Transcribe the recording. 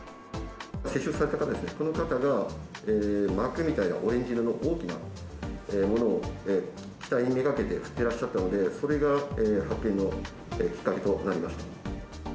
接触された方ですね、その方がマークみたいなオレンジ色の大きなものを機体に目がけて振っていらっしゃったので、発見のきっかけとなりました。